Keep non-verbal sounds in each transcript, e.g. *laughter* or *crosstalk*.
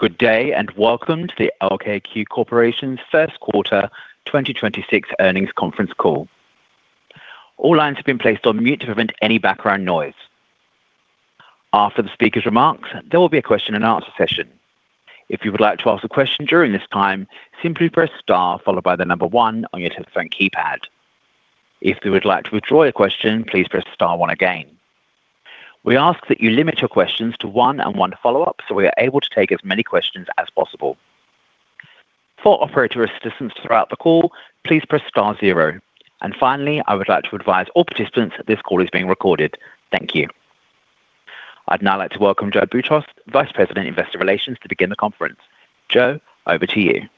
Good day, welcome to the LKQ Corporation's first quarter 2026 earnings conference call. All line have been placed on mute to prevent any background noise. After speakers remarks there will be a questions and answers session. If you would like to ask a question during this time, simply press star followed by number one on your telephone keypad. If you would like to withdraw your question please press star one again. We asked to limit your question to one and one follow-up to able us to take as many questions as possible. For *inaudible* assistance during a call please press star zero. And finally I would like to advise all participants that this call is recorded. Thank you. I'd now like to welcome Joe Boutross, Vice President, Investor Relations, to begin the conference. Joe, over to you.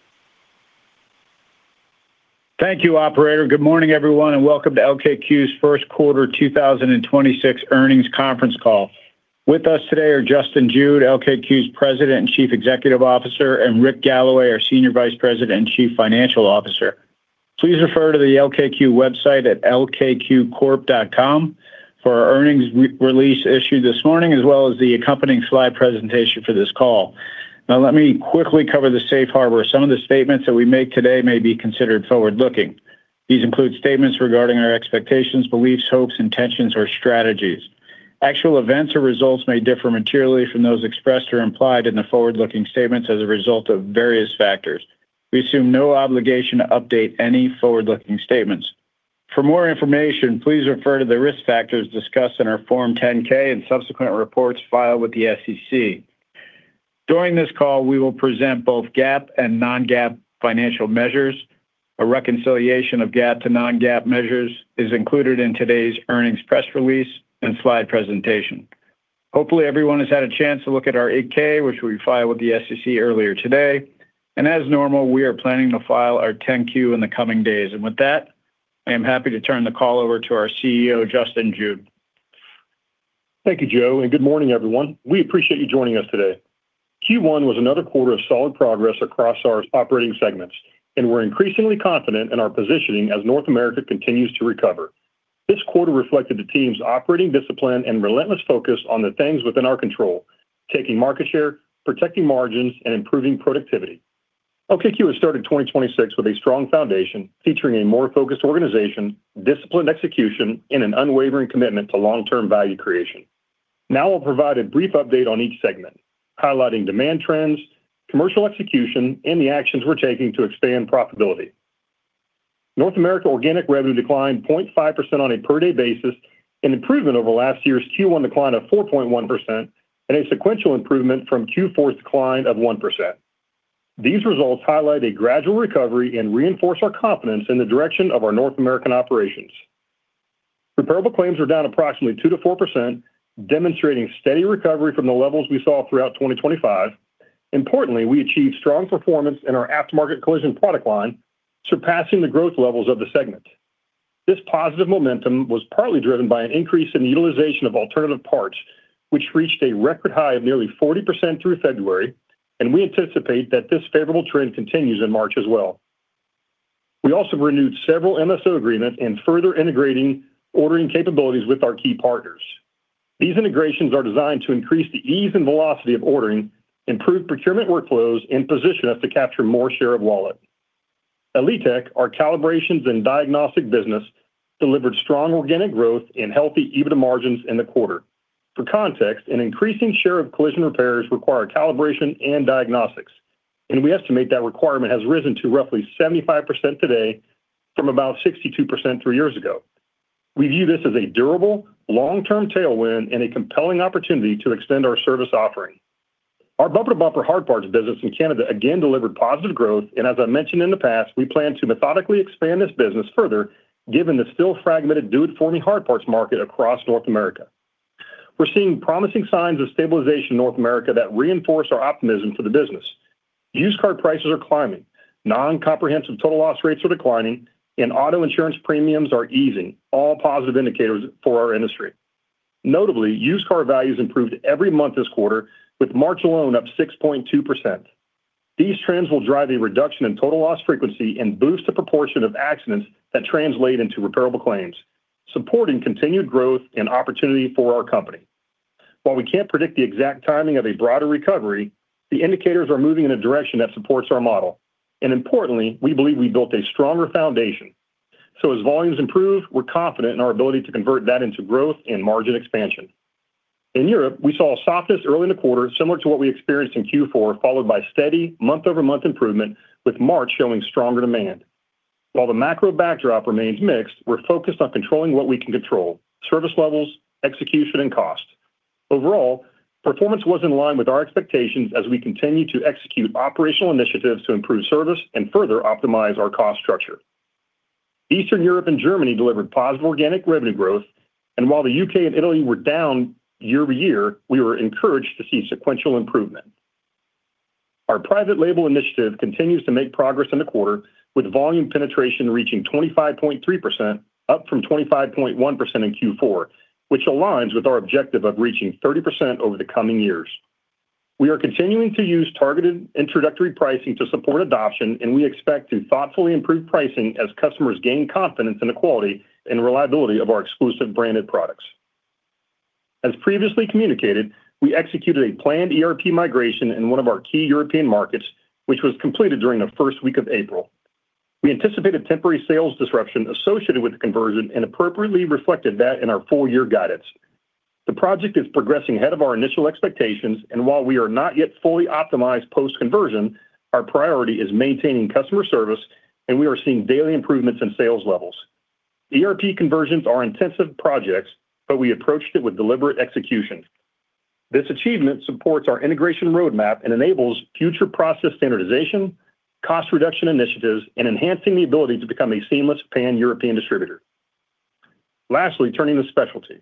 Thank you, operator. Good morning, everyone, and welcome to LKQ's first quarter 2026 earnings conference call. With us today are Justin Jude, LKQ's President and Chief Executive Officer, and Rick Galloway, our Senior Vice President and Chief Financial Officer. Please refer to the LKQ website at lkqcorp.com for our earnings re-release issued this morning, as well as the accompanying slide presentation for this call. Now let me quickly cover the Safe Harbor. Some of the statements that we make today may be considered forward-looking. These include statements regarding our expectations, beliefs, hopes, intentions, or strategies. Actual events or results may differ materially from those expressed or implied in the forward-looking statements as a result of various factors. We assume no obligation to update any forward-looking statements. For more information, please refer to the risk factors discussed in our Form 10-K and subsequent reports filed with the SEC. During this call, we will present both GAAP and non-GAAP financial measures. A reconciliation of GAAP to non-GAAP measures is included in today's earnings press release and slide presentation. Hopefully, everyone has had a chance to look at our 8-K, which we filed with the SEC earlier today, as normal, we are planning to file our 10-Q in the coming days. With that, I am happy to turn the call over to our CEO, Justin Jude. Thank you, Joe. Good morning, everyone. We appreciate you joining us today. Q1 was another quarter of solid progress across our operating segments, and we're increasingly confident in our positioning as North America continues to recover. This quarter reflected the team's operating discipline and relentless focus on the things within our control, taking market share, protecting margins, and improving productivity. LKQ has started 2026 with a strong foundation, featuring a more focused organization, disciplined execution, and an unwavering commitment to long-term value creation. Now we'll provide a brief update on each segment, highlighting demand trends, commercial execution, and the actions we're taking to expand profitability. North America organic revenue declined 0.5% on a per-day basis, an improvement over last year's Q1 decline of 4.1% and a sequential improvement from Q4's decline of 1%. These results highlight a gradual recovery and reinforce our confidence in the direction of our North American operations. Repairable claims are down approximately 2%-4%, demonstrating steady recovery from the levels we saw throughout 2025. Importantly, we achieved strong performance in our aftermarket collision product line, surpassing the growth levels of the segment. This positive momentum was partly driven by an increase in the utilization of alternative parts, which reached a record high of nearly 40% through February, and we anticipate that this favorable trend continues in March as well. We also renewed several MSO agreements and further integrating ordering capabilities with our key partners. These integrations are designed to increase the ease and velocity of ordering, improve procurement workflows, and position us to capture more share of wallet. Elitek, our calibrations and diagnostic business, delivered strong organic growth and healthy EBITDA margins in the quarter. For context, an increasing share of collision repairs require calibration and diagnostics, and we estimate that requirement has risen to roughly 75% today from about 62% three years ago. We view this as a durable, long-term tailwind and a compelling opportunity to extend our service offering. Our bumper-to-bumper hard parts business in Canada again delivered positive growth, and as I mentioned in the past, we plan to methodically expand this business further, given the still fragmented do-it-for-me hard parts market across North America. We're seeing promising signs of stabilization in North America that reinforce our optimism for the business. Used car prices are climbing, non-comprehensive total loss rates are declining, and auto insurance premiums are easing, all positive indicators for our industry. Notably, used car values improved every month this quarter, with March alone up 6.2%. These trends will drive a reduction in total loss frequency and boost the proportion of accidents that translate into repairable claims, supporting continued growth and opportunity for our company. While we can't predict the exact timing of a broader recovery, the indicators are moving in a direction that supports our model. Importantly, we believe we built a stronger foundation. As volumes improve, we're confident in our ability to convert that into growth and margin expansion. In Europe, we saw a softness early in the quarter similar to what we experienced in Q4, followed by steady month-over-month improvement, with March showing stronger demand. While the macro backdrop remains mixed, we're focused on controlling what we can control: service levels, execution, and cost. Overall, performance was in line with our expectations as we continue to execute operational initiatives to improve service and further optimize our cost structure. Eastern Europe and Germany delivered positive organic revenue growth, and while the U.K. and Italy were down year-over-year, we were encouraged to see sequential improvement. Our private label initiative continues to make progress in the quarter, with volume penetration reaching 25.3%, up from 25.1% in Q4, which aligns with our objective of reaching 30% over the coming years. We are continuing to use targeted introductory pricing to support adoption, and we expect to thoughtfully improve pricing as customers gain confidence in the quality and reliability of our exclusive branded products. As previously communicated, we executed a planned ERP migration in one of our key European markets, which was completed during the first week of April. We anticipated temporary sales disruption associated with the conversion and appropriately reflected that in our full year guidance. The project is progressing ahead of our initial expectations, and while we are not yet fully optimized post-conversion, our priority is maintaining customer service, and we are seeing daily improvements in sales levels. ERP conversions are intensive projects, but we approached it with deliberate execution. This achievement supports our integration roadmap and enables future process standardization, cost reduction initiatives, and enhancing the ability to become a seamless Pan-European distributor. Lastly, turning to Specialty.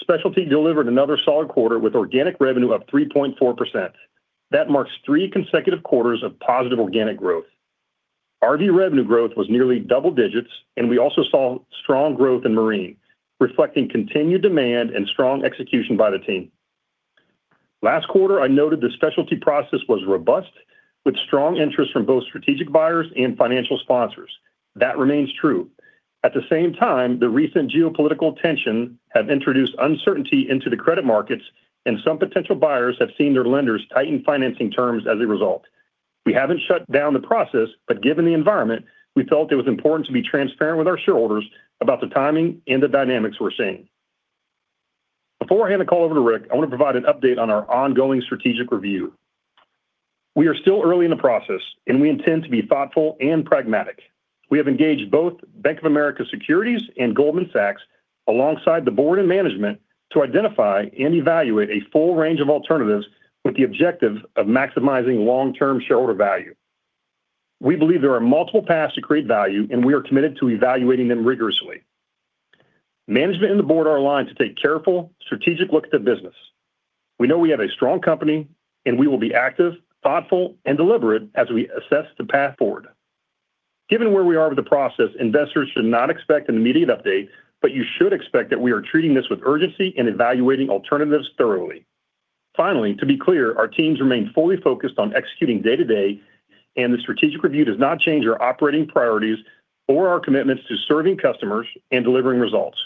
Specialty delivered another solid quarter with organic revenue up 3.4%. That marks three consecutive quarters of positive organic growth. RV revenue growth was nearly double digits, and we also saw strong growth in Marine, reflecting continued demand and strong execution by the team. Last quarter, I noted the specialty process was robust with strong interest from both strategic buyers and financial sponsors. That remains true. At the same time, the recent geopolitical tension have introduced uncertainty into the credit markets. Some potential buyers have seen their lenders tighten financing terms as a result. We haven't shut down the process. Given the environment, we felt it was important to be transparent with our shareholders about the timing and the dynamics we're seeing. Before I hand the call over to Rick, I wanna provide an update on our ongoing strategic review. We are still early in the process. We intend to be thoughtful and pragmatic. We have engaged both Bank of America Securities and Goldman Sachs alongside the board and management to identify and evaluate a full range of alternatives with the objective of maximizing long-term shareholder value. We believe there are multiple paths to create value. We are committed to evaluating them rigorously. Management and the board are aligned to take careful, strategic look at the business. We know we have a strong company, and we will be active, thoughtful, and deliberate as we assess the path forward. Given where we are with the process, investors should not expect an immediate update, but you should expect that we are treating this with urgency and evaluating alternatives thoroughly. Finally, to be clear, our teams remain fully focused on executing day-to-day, and the strategic review does not change our operating priorities or our commitments to serving customers and delivering results,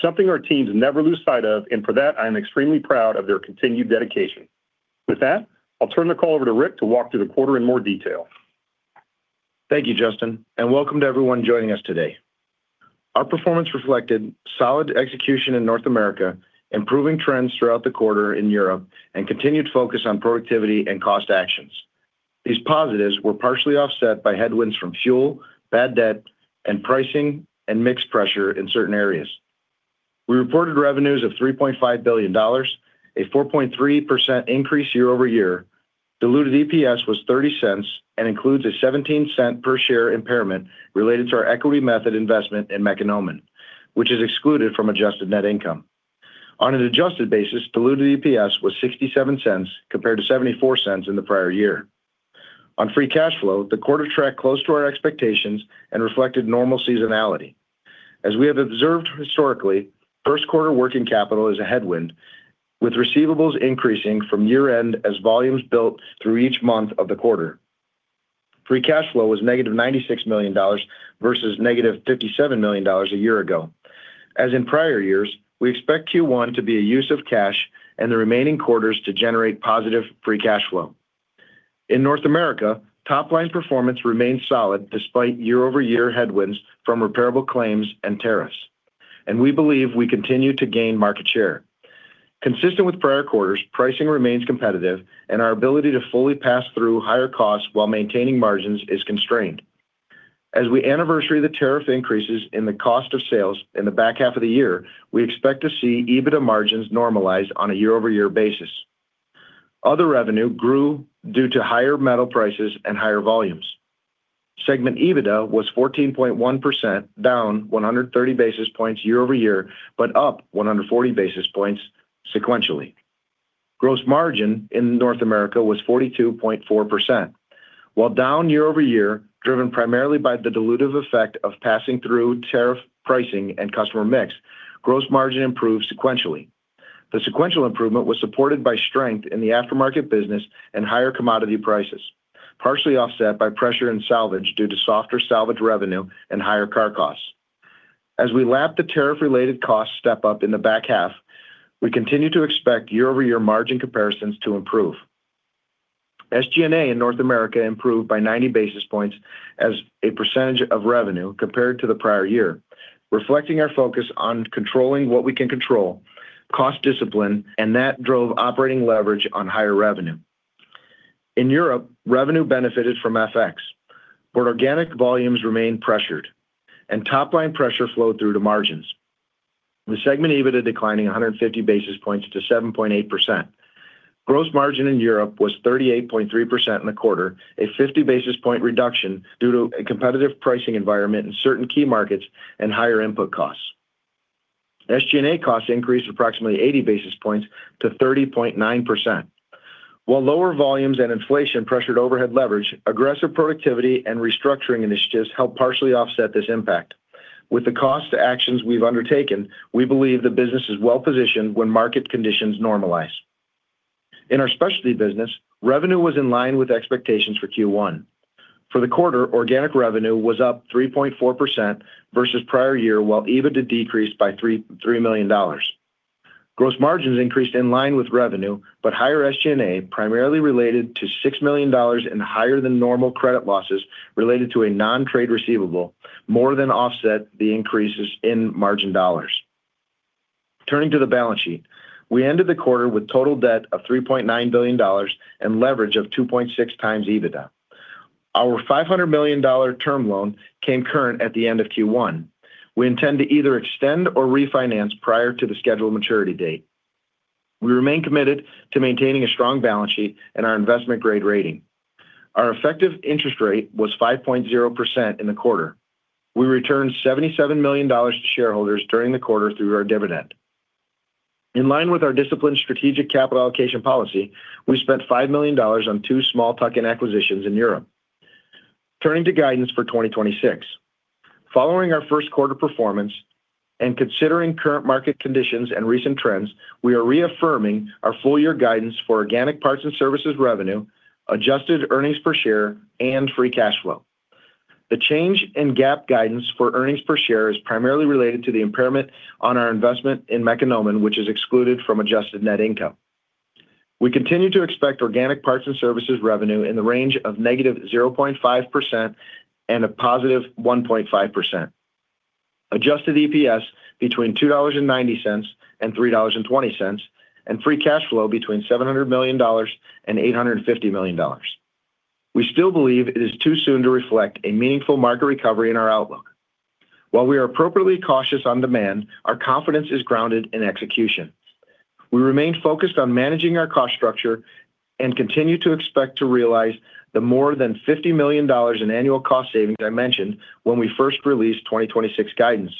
something our teams never lose sight of, and for that, I am extremely proud of their continued dedication. With that, I'll turn the call over to Rick to walk through the quarter in more detail. Thank you, Justin, and welcome to everyone joining us today. Our performance reflected solid execution in North America, improving trends throughout the quarter in Europe, and continued focus on productivity and cost actions. These positives were partially offset by headwinds from fuel, bad debt, and pricing and mixed pressure in certain areas. We reported revenues of $3.5 billion, a 4.3% increase year-over-year. Diluted EPS was $0.30 and includes a $0.17 per share impairment related to our equity method investment in Mekonomen, which is excluded from adjusted net income. On an adjusted basis, diluted EPS was $0.67 compared to $0.74 in the prior year. On free cash flow, the quarter tracked close to our expectations and reflected normal seasonality. As we have observed historically, first quarter working capital is a headwind, with receivables increasing from year-end as volumes built through each month of the quarter. Free cash flow was $-96 million versus $-57 million a year ago. As in prior years, we expect Q1 to be a use of cash and the remaining quarters to generate positive free cash flow. In North America, top-line performance remains solid despite year-over-year headwinds from repairable claims and tariffs, and we believe we continue to gain market share. Consistent with prior quarters, pricing remains competitive and our ability to fully pass through higher costs while maintaining margins is constrained. As we anniversary the tariff increases in the cost of sales in the back half of the year, we expect to see EBITDA margins normalize on a year-over-year basis. Other revenue grew due to higher metal prices and higher volumes. Segment EBITDA was 14.1%, down 130 basis points year-over-year, but up 140 basis points sequentially. Gross margin in North America was 42.4%. While down year-over-year, driven primarily by the dilutive effect of passing through tariff pricing and customer mix, gross margin improved sequentially. The sequential improvement was supported by strength in the aftermarket business and higher commodity prices, partially offset by pressure in salvage due to softer salvage revenue and higher car costs. As we lap the tariff-related cost step-up in the back half, we continue to expect year-over-year margin comparisons to improve. SG&A in North America improved by 90 basis points as a percent of revenue compared to the prior year, reflecting our focus on controlling what we can control, cost discipline, and that drove operating leverage on higher revenue. In Europe, revenue benefited from FX, organic volumes remained pressured and top-line pressure flowed through to margins. The segment EBITDA declining 150 basis points to 7.8%. Gross margin in Europe was 38.3% in the quarter, a 50 basis point reduction due to a competitive pricing environment in certain key markets and higher input costs. SG&A costs increased approximately 80 basis points to 30.9%. While lower volumes and inflation pressured overhead leverage, aggressive productivity and restructuring initiatives helped partially offset this impact. With the cost to actions we've undertaken, we believe the business is well-positioned when market conditions normalize. In our specialty business, revenue was in line with expectations for Q1. For the quarter, organic revenue was up 3.4% versus prior year, while EBITDA decreased by $3 million. Gross margins increased in line with revenue, but higher SG&A, primarily related to $6 million in higher than normal credit losses related to a non-trade receivable, more than offset the increases in margin dollars. Turning to the balance sheet, we ended the quarter with total debt of $3.9 billion and leverage of 2.6x EBITDA. Our $500 million term loan came current at the end of Q1. We intend to either extend or refinance prior to the scheduled maturity date. We remain committed to maintaining a strong balance sheet and our investment-grade rating. Our effective interest rate was 5.0% in the quarter. We returned $77 million to shareholders during the quarter through our dividend. In line with our disciplined strategic capital allocation policy, we spent $5 million on two small tuck-in acquisitions in Europe. Turning to guidance for 2026. Following our first quarter performance and considering current market conditions and recent trends, we are reaffirming our full year guidance for organic parts and services revenue, adjusted earnings per share, and free cash flow. The change in GAAP guidance for earnings per share is primarily related to the impairment on our investment in Mekonomen, which is excluded from adjusted net income. We continue to expect organic parts and services revenue in the range of -0.5% and +1.5%. adjusted EPS between $2.90 and $3.20, and free cash flow between $700 million and $850 million. We still believe it is too soon to reflect a meaningful market recovery in our outlook. While we are appropriately cautious on demand, our confidence is grounded in execution. We remain focused on managing our cost structure and continue to expect to realize the more than $50 million in annual cost savings I mentioned when we first released 2026 guidance,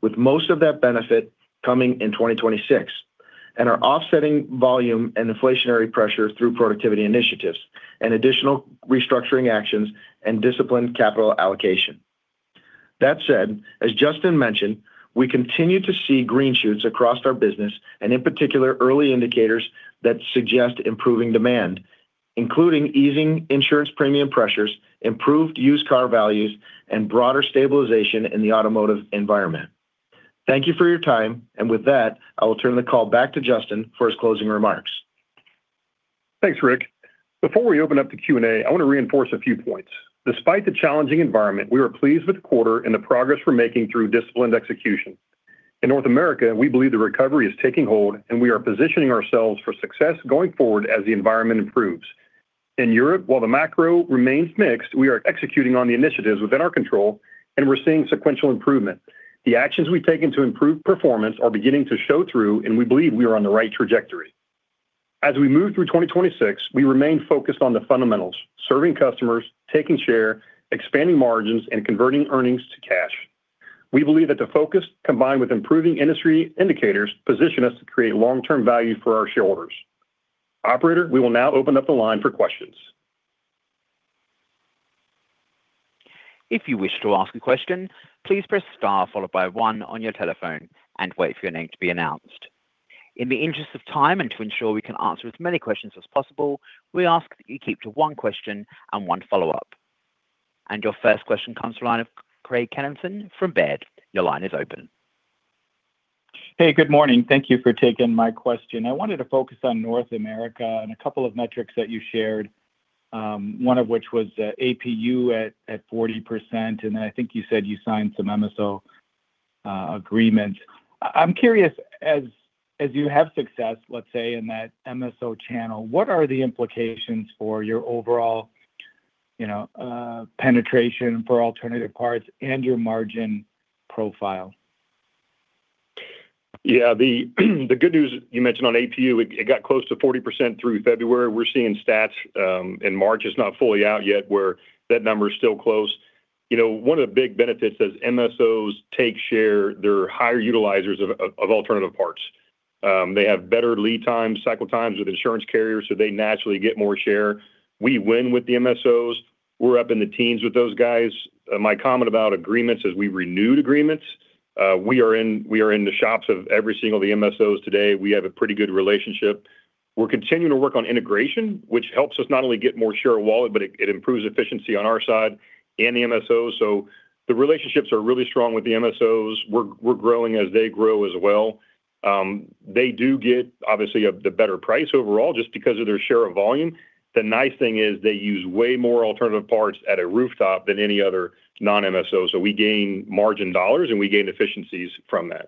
with most of that benefit coming in 2026, and are offsetting volume and inflationary pressure through productivity initiatives and additional restructuring actions and disciplined capital allocation. That said, as Justin mentioned, we continue to see green shoots across our business and, in particular, early indicators that suggest improving demand, including easing insurance premium pressures, improved used car values, and broader stabilization in the automotive environment. Thank you for your time, and with that, I will turn the call back to Justin for his closing remarks. Thanks, Rick. Before we open up to Q&A, I want to reinforce a few points. Despite the challenging environment, we are pleased with the quarter and the progress we're making through disciplined execution. In North America, we believe the recovery is taking hold, and we are positioning ourselves for success going forward as the environment improves. In Europe, while the macro remains mixed, we are executing on the initiatives within our control, and we're seeing sequential improvement. The actions we've taken to improve performance are beginning to show through, and we believe we are on the right trajectory. As we move through 2026, we remain focused on the fundamentals. Serving customers, taking share, expanding margins, and converting earnings to cash. We believe that the focus, combined with improving industry indicators, position us to create long-term value for our shareholders. Operator, we will now open up the line for questions. If you wish to ask a question, please press star followed by one on your telephone and wait for your name to be announced. In the interest of time and to ensure we can answer as many questions as possible, we ask that you keep to one question and one follow-up. Your first question comes to the line of Craig Kennison from Baird. Your line is open. Hey, good morning. Thank you for taking my question. I wanted to focus on North America and a couple of metrics that you shared, one of which was APU at 40%, and then I think you said you signed some MSO agreements. I'm curious, as you have success, let's say, in that MSO channel, what are the implications for your overall, you know, penetration for alternative parts and your margin profile? The good news you mentioned on APU, it got close to 40% through February. We're seeing stats in March. It's not fully out yet, where that number is still close. You know, one of the big benefits as MSOs take share, they're higher utilizers of alternative parts. They have better lead times, cycle times with insurance carriers, they naturally get more share. We win with the MSOs. We're up in the teens with those guys. My comment about agreements is we renewed agreements. We are in the shops of every single of the MSOs today. We have a pretty good relationship. We're continuing to work on integration, which helps us not only get more share of wallet, but it improves efficiency on our side and the MSOs. The relationships are really strong with the MSOs. We're growing as they grow as well. They do get obviously the better price overall just because of their share of volume. The nice thing is they use way more alternative parts at a rooftop than any other non-MSO, so we gain margin dollars, and we gain efficiencies from that.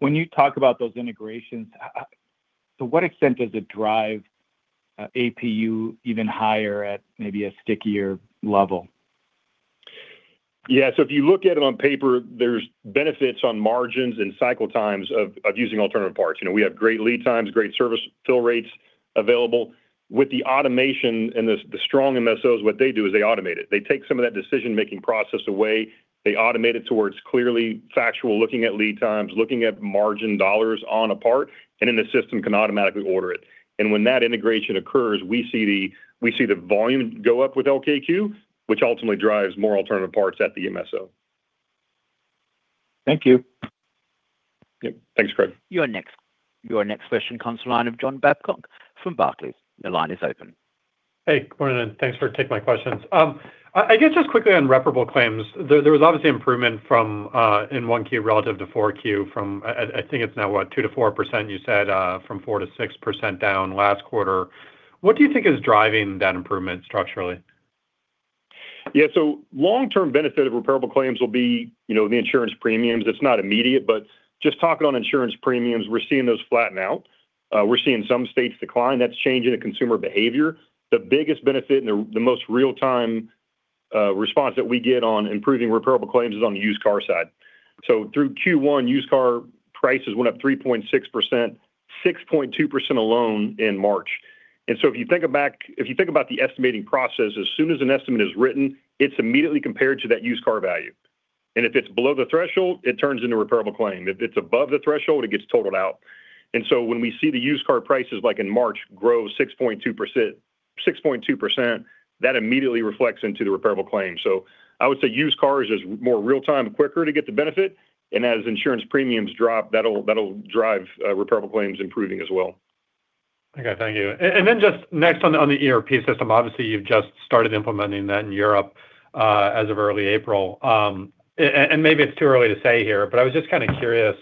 When you talk about those integrations, how to what extent does it drive APU even higher at maybe a stickier level? Yeah. If you look at it on paper, there's benefits on margins and cycle times of using alternative parts. You know, we have great lead times, great service fill rates available. With the automation and the strong MSOs, what they do is they automate it. They take some of that decision-making process away. They automate it towards clearly factual looking at lead times, looking at margin dollars on a part, and then the system can automatically order it. When that integration occurs, we see the volume go up with LKQ, which ultimately drives more alternative parts at the MSO. Thank you. Yep. Thanks, Craig. Your next question comes to line of John Babcock from Barclays. Your line is open. Hey, good morning, and thanks for taking my questions. I guess just quickly on repairable claims, there was obviously improvement from in 1Q relative to 4Q from, I think it's now, what, 2%-4% you said, from 4%-6% down last quarter. What do you think is driving that improvement structurally? Yeah. Long-term benefit of repairable claims will be, you know, the insurance premiums. It's not immediate, but just talking on insurance premiums, we're seeing those flatten out. We're seeing some states decline. That's change in the consumer behavior. The biggest benefit and the most real time response that we get on improving repairable claims is on the used car side. Through Q1, used car prices went up 3.6%, 6.2% alone in March. If you think about the estimating process, as soon as an estimate is written, it's immediately compared to that used car value. If it's below the threshold, it turns into repairable claim. If it's above the threshold, it gets totaled out. When we see the used car prices, like in March, grow 6.2%, 6.2%, that immediately reflects into the repairable claim. I would say used cars is more real time, quicker to get the benefit, and as insurance premiums drop, that'll drive repairable claims improving as well. Okay, thank you. Just next on the ERP system, obviously, you've just started implementing that in Europe as of early April. Maybe it's too early to say here, I was just kinda curious,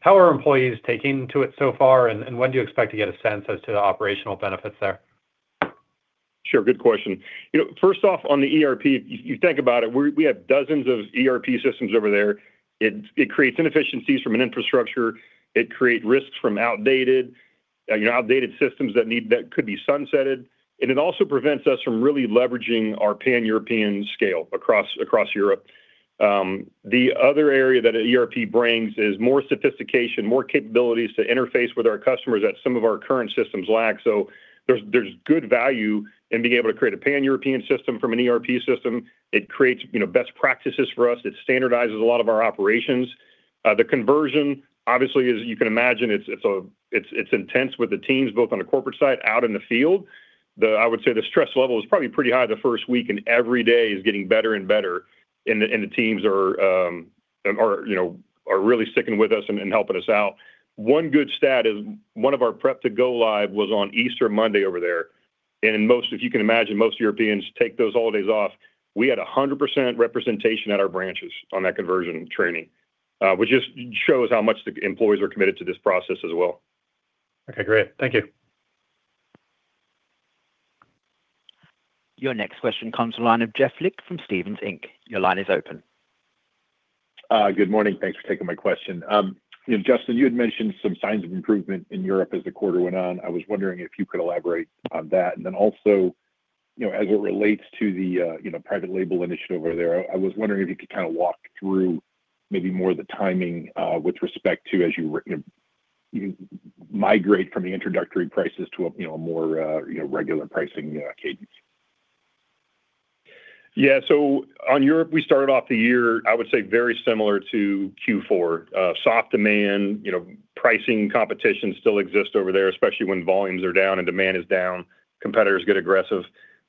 how are employees taking to it so far, and when do you expect to get a sense as to the operational benefits there? Sure. Good question. You know, first off, on the ERP, you think about it, we have dozens of ERP systems over there. It creates inefficiencies from an infrastructure. It create risks from outdated, you know, outdated systems that could be sunsetted. It also prevents us from really leveraging our Pan-European scale across Europe. The other area that a ERP brings is more sophistication, more capabilities to interface with our customers that some of our current systems lack. There's good value in being able to create a Pan-European system from an ERP system. It creates, you know, best practices for us. It standardizes a lot of our operations. The conversion, obviously, as you can imagine, it's intense with the teams both on the corporate side out in the field. I would say the stress level is probably pretty high the first week, and every day is getting better and better. The teams, you know, are really sticking with us and helping us out. One good stat is one of our prep to go live was on Easter Monday over there. Most, if you can imagine, most Europeans take those holidays off. We had 100% representation at our branches on that conversion training, which just shows how much the employees are committed to this process as well. Okay, great. Thank you. Your next question comes to line of Jeff Lick from Stephens Inc. Your line is open. Good morning. Thanks for taking my question. You know, Justin, you had mentioned some signs of improvement in Europe as the quarter went on. I was wondering if you could elaborate on that. Also, you know, as it relates to the, you know, private label initiative over there, I was wondering if you could kinda walk through maybe more of the timing, with respect to as you migrate from the introductory prices to a, you know, more, you know, regular pricing, cadence. Yeah. On Europe, we started off the year, I would say, very similar to Q4. Soft demand, you know, pricing competition still exists over there, especially when volumes are down and demand is down, competitors get aggressive.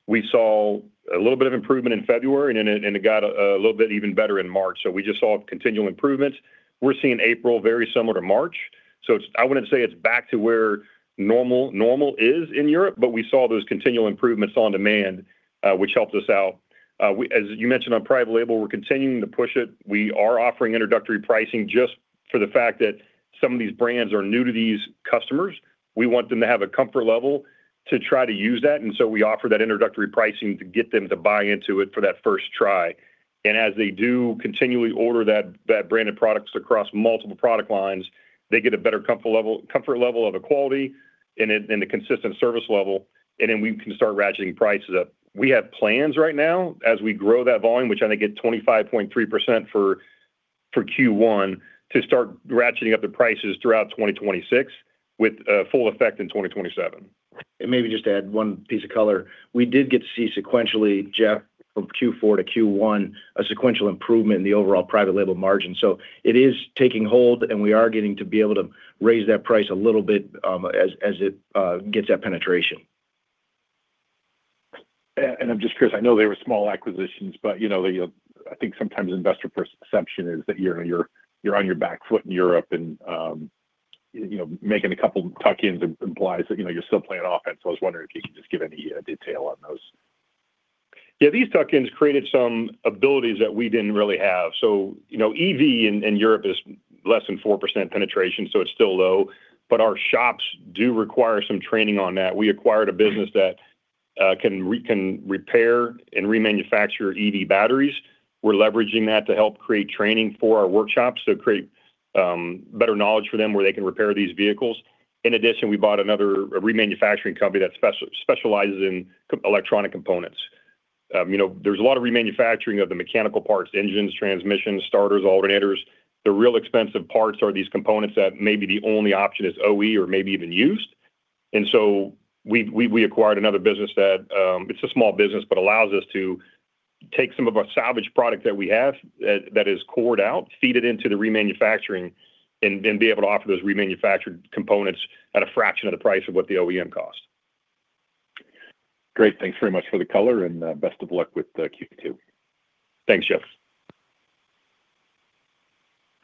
We saw a little bit of improvement in February, and it got a little bit even better in March. We just saw continual improvements. We're seeing April very similar to March. I wouldn't say it's back to where normal is in Europe, but we saw those continual improvements on demand, which helped us out. As you mentioned on private label, we're continuing to push it. We are offering introductory pricing just for the fact that some of these brands are new to these customers. We want them to have a comfort level to try to use that, and so we offer that introductory pricing to get them to buy into it for that first try. As they do continually order that branded products across multiple product lines, they get a better comfort level of the quality and a consistent service level, and then we can start ratcheting prices up. We have plans right now as we grow that volume, which I think at 25.3% for Q1, to start ratcheting up the prices throughout 2026 with full effect in 2027. Maybe just to add one piece of color. We did get to see sequentially, Jeff, from Q4 to Q1, a sequential improvement in the overall private label margin. It is taking hold, and we are getting to be able to raise that price a little bit, as it gets that penetration. I'm just curious, I know they were small acquisitions, but, you know, the, I think sometimes investor perception is that you're on your back foot in Europe and, you know, making a couple tuck-ins implies that, you know, you're still playing offense. I was wondering if you could just give any detail on those. These tuck-ins created some abilities that we didn't really have. You know, EV in Europe is less than 4% penetration, so it's still low. Our shops do require some training on that. We acquired a business that can repair and remanufacture EV batteries. We're leveraging that to help create training for our workshops to create better knowledge for them where they can repair these vehicles. In addition, we bought another remanufacturing company that specializes in electronic components. You know, there's a lot of remanufacturing of the mechanical parts, engines, transmissions, starters, alternators. The real expensive parts are these components that maybe the only option is OE or maybe even used. We acquired another business that it's a small business but allows us to take some of our salvage product that we have that is cored out, feed it into the remanufacturing, and then be able to offer those remanufactured components at a fraction of the price of what the OEM cost. Great. Thanks very much for the color and best of luck with the Q2. Thanks, Jeff.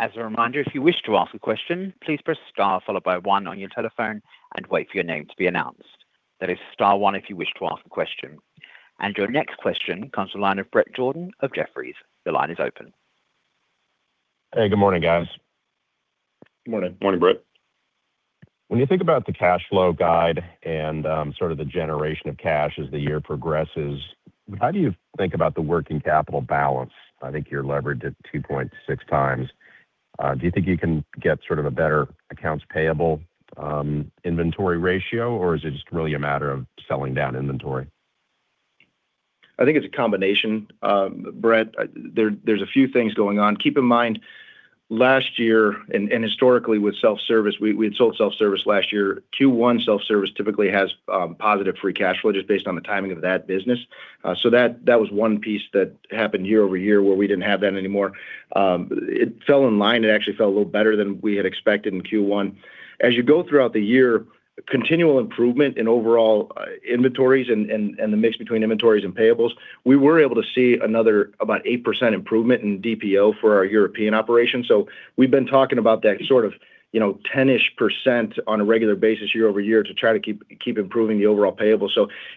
As a reminder, if you wish to ask a question, please press star followed by one on your telephone and wait for your name to be announced. That is star one if you wish to ask a question. Your next question comes to the line of Bret Jordan of Jefferies. The line is open. Hey, good morning, guys. Good morning. Morning, Bret. When you think about the cash flow guide and, sort of the generation of cash as the year progresses, how do you think about the working capital balance? I think you're leveraged at 2.6x. Do you think you can get sort of a better accounts payable, inventory ratio, or is it just really a matter of selling down inventory? I think it's a combination. Bret, there's a few things going on. Keep in mind, last year and historically with self-service, we had sold self-service last year. Q1 self-service typically has positive free cash flow just based on the timing of that business. That was one piece that happened year-over-year where we didn't have that anymore. It fell in line. It actually fell a little better than we had expected in Q1. As you go throughout the year, continual improvement in overall inventories and the mix between inventories and payables, we were able to see another about 8% improvement in DPO for our European operations. We've been talking about that sort of, you know, 10-ish% on a regular basis year-over-year to try to keep improving the overall payable.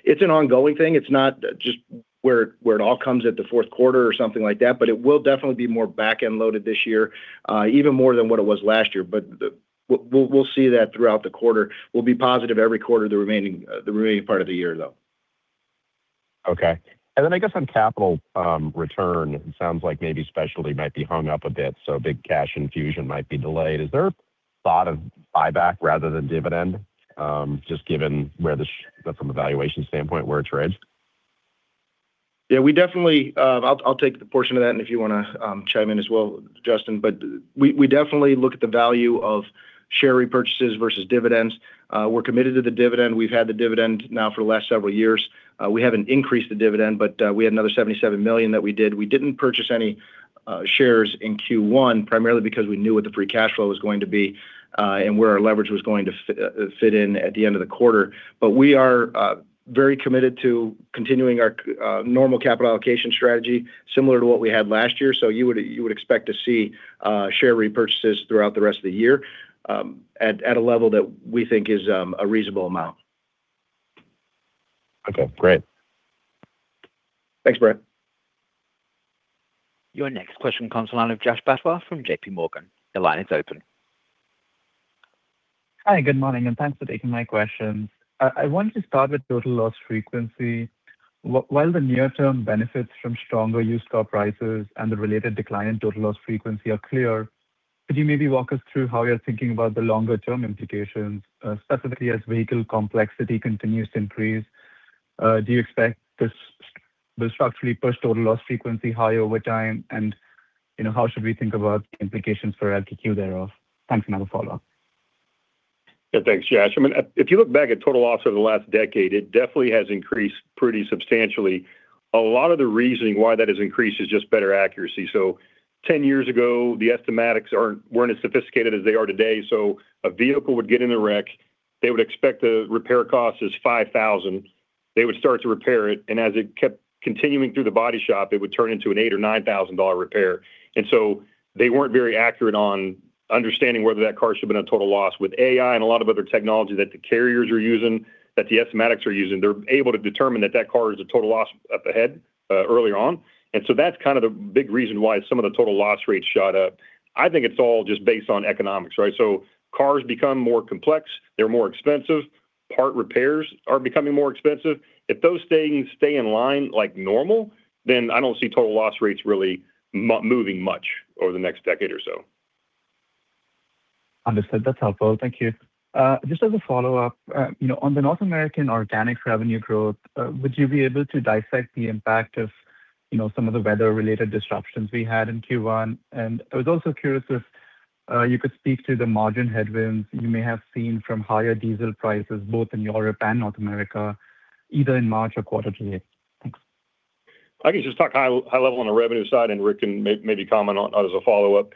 It's an ongoing thing. It's not just where it all comes at the fourth quarter or something like that, but it will definitely be more back-end loaded this year, even more than what it was last year. We'll see that throughout the quarter. We'll be positive every quarter the remaining part of the year, though. Okay. I guess on capital return, it sounds like maybe Specialty might be hung up a bit, so big cash infusion might be delayed. Is there a thought of buyback rather than dividend, just given where from a valuation standpoint where it trades? Yeah, we definitely. I'll take the portion of that, and if you wanna chime in as well, Justin. We definitely look at the value of share repurchases versus dividends. We're committed to the dividend. We've had the dividend now for the last several years. We haven't increased the dividend, but we had another $77 million that we did. We didn't purchase any shares in Q1, primarily because we knew what the free cash flow was going to be, and where our leverage was going to fit in at the end of the quarter. We are very committed to continuing our normal capital allocation strategy similar to what we had last year. You would expect to see share repurchases throughout the rest of the year, at a level that we think is a reasonable amount. Okay, great. Thanks, Bret. Your next question comes to line of Jash Patwa from JPMorgan. Your line is open. Hi, good morning, and thanks for taking my questions. I wanted to start with total loss frequency. While the near-term benefits from stronger used car prices and the related decline in total loss frequency are clear, could you maybe walk us through how you're thinking about the longer-term implications, specifically as vehicle complexity continues to increase? Do you expect the structurally pushed total loss frequency higher over time? You know, how should we think about implications for LKQ thereof? Thanks. I have a follow-up. Thanks, Jash. I mean, if you look back at total loss over the last decade, it definitely has increased pretty substantially. A lot of the reasoning why that has increased is just better accuracy. 10 years ago, the estimatics weren't as sophisticated as they are today. A vehicle would get in a wreck, they would expect the repair cost is $5,000. They would start to repair it, as it kept continuing through the body shop, it would turn into an $8,000 or $9,000 repair. They weren't very accurate on understanding whether that car should've been a total loss. With AI and a lot of other technology that the carriers are using, that the estimatics are using, they're able to determine that that car is a total loss up ahead early on. That's kind of the big reason why some of the total loss rates shot up. I think it's all just based on economics, right? Cars become more complex. They're more expensive. Part repairs are becoming more expensive. If those things stay in line like normal, I don't see total loss rates really moving much over the next decade or so. Understood. That's helpful. Thank you. Just as a follow-up, you know, on the North American organic revenue growth, would you be able to dissect the impact of, you know, some of the weather-related disruptions we had in Q1? I was also curious if, you could speak to the margin headwinds you may have seen from higher diesel prices, both in Europe and North America, either in March or quarter to date. Thanks. I can just talk high, high level on the revenue side, and Rick can maybe comment on it as a follow-up.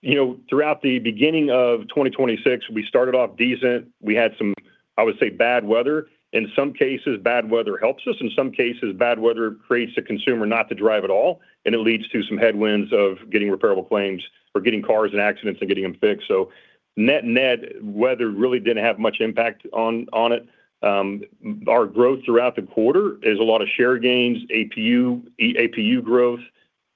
You know, throughout the beginning of 2026, we started off decent. We had some, I would say, bad weather. In some cases, bad weather helps us. In some cases, bad weather creates the consumer not to drive at all, and it leads to some headwinds of getting repairable claims or getting cars in accidents and getting them fixed. Net-net weather really didn't have much impact on it. Our growth throughout the quarter is a lot of share gains, APU growth,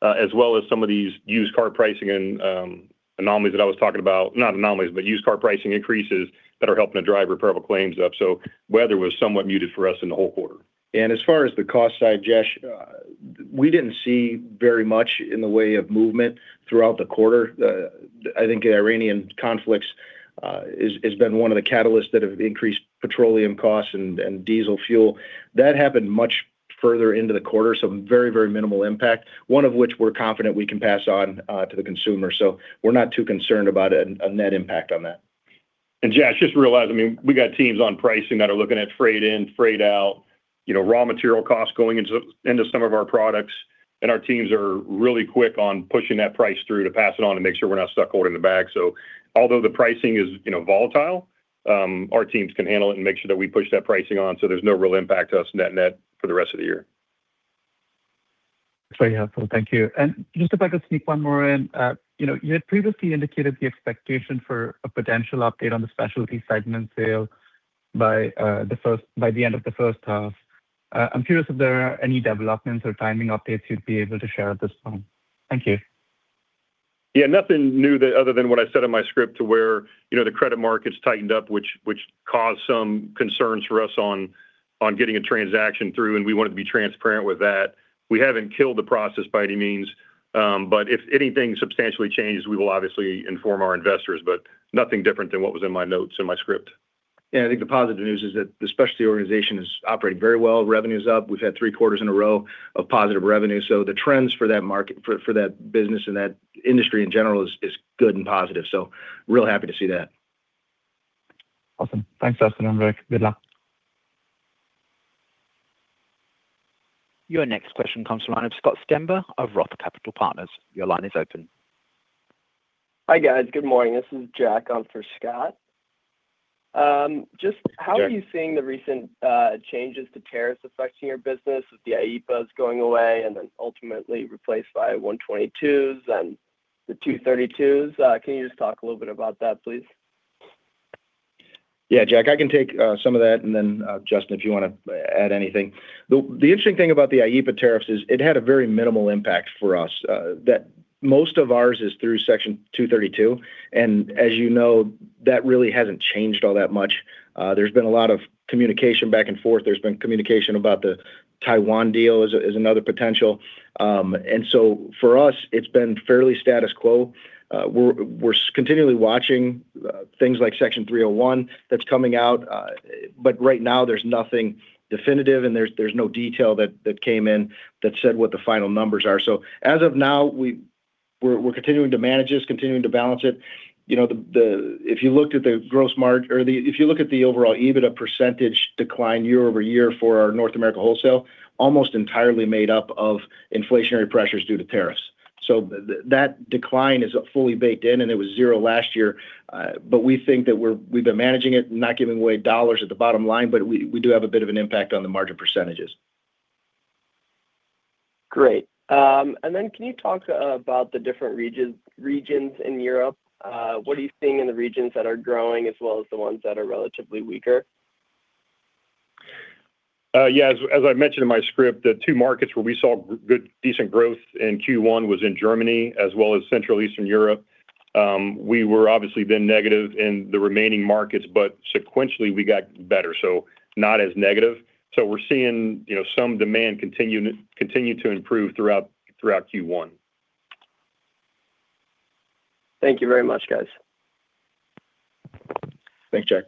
as well as some of these used car pricing and anomalies that I was talking about. Not anomalies, but used car pricing increases that are helping to drive repairable claims up. Weather was somewhat muted for us in the whole quarter. As far as the cost side, Jash, we didn't see very much in the way of movement throughout the quarter. I think the Iranian conflicts has been one of the catalysts that have increased petroleum costs and diesel fuel. That happened much further into the quarter, so very, very minimal impact, one of which we're confident we can pass on to the consumer. We're not too concerned about a net impact on that. Jash, just realize, I mean, we got teams on pricing that are looking at freight in, freight out, you know, raw material costs going into some of our products. Our teams are really quick on pushing that price through to pass it on and make sure we're not stuck holding the bag. Although the pricing is, you know, volatile, our teams can handle it and make sure that we push that pricing on, so there's no real impact to us net net for the rest of the year. Very helpful. Thank you. Just if I could sneak one more in. You know, you had previously indicated the expectation for a potential update on the specialty segment sale by the end of the first half. I'm curious if there are any developments or timing updates you'd be able to share at this time. Thank you. Yeah, nothing new other than what I said in my script to where, you know, the credit markets tightened up, which caused some concerns for us on getting a transaction through, and we wanted to be transparent with that. We haven't killed the process by any means. If anything substantially changes, we will obviously inform our investors, but nothing different than what was in my notes, in my script. Yeah. I think the positive news is that the specialty organization is operating very well. Revenue's up. We've had three quarters in a row of positive revenue. The trends for that market, for that business and that industry in general is good and positive. Real happy to see that. Awesome. Thanks, Justin and Rick. Good luck. Your next question comes from the line of Scott Stember of Roth Capital Partners. Your line is open. Hi, guys. Good morning. This is Jack on for Scott. Sure. How are you seeing the recent changes to tariffs affecting your business with the IEEPA going away and then ultimately replaced by Section 122 and the Section 232s? can you just talk a little bit about that, please? Yeah, Jack, I can take some of that and then Justin, if you wanna add anything. The interesting thing about the IEPA tariffs is it had a very minimal impact for us that most of ours is through Section 232. As you know, that really hasn't changed all that much. There's been a lot of communication back and forth. There's been communication about the Taiwan deal is another potential. For us, it's been fairly status quo. We're continually watching things like Section 301 that's coming out. Right now there's nothing definitive and there's no detail that came in that said what the final numbers are. As of now, we're continuing to manage this, continuing to balance it. If you look at the overall EBITDA percentage decline year-over-year for our North America wholesale, almost entirely made up of inflationary pressures due to tariffs. That decline is fully baked in, and it was zero last year. We think that we've been managing it, not giving away dollars at the bottom line, but we do have a bit of an impact on the margin percentages. Great. Can you talk about the different regions in Europe? What are you seeing in the regions that are growing as well as the ones that are relatively weaker? Yeah. As I mentioned in my script, the two markets where we saw decent growth in Q1 was in Germany as well as Central Eastern Europe. We were obviously been negative in the remaining markets, sequentially we got better, not as negative. We're seeing, you know, some demand continue to improve throughout Q1. Thank you very much, guys. Thanks, Jack.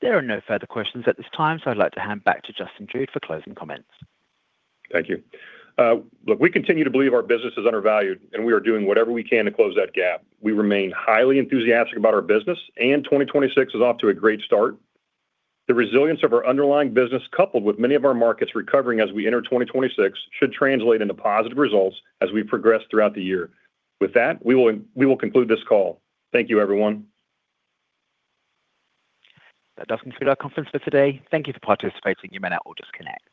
There are no further questions at this time. I'd like to hand back to Justin Jude for closing comments. Thank you. Look, we continue to believe our business is undervalued, and we are doing whatever we can to close that gap. We remain highly enthusiastic about our business, and 2026 is off to a great start. The resilience of our underlying business, coupled with many of our markets recovering as we enter 2026, should translate into positive results as we progress throughout the year. With that, we will conclude this call. Thank you, everyone. That does conclude our conference for today. Thank you for participating. You may now all disconnect.